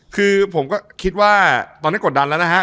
คือผมก็คิดว่าตอนนี้กดดันแล้วนะฮะ